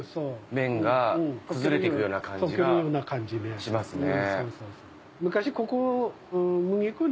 麺が崩れていくような感じがしますね。